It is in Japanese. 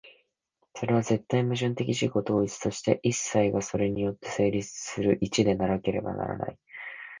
それは絶対矛盾的自己同一として、一切がそれによって成立する一でなければならない。